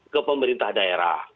ke pemerintah daerah